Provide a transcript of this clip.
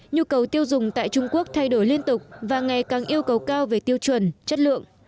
nhu cầu tiêu dùng tại trung quốc thay đổi liên tục và ngày càng yêu cầu cao về tiêu chuẩn chất lượng